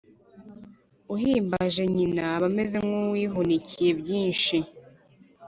uhimbaje nyina aba ameze nk’uwihunikiye byinshi